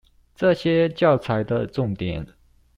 這些教材的重點